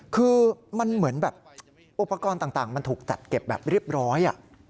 คือมันเหมือนแบบอุปกรณ์ต่างมันถูกจัดเก็บแบบเรียบร้อย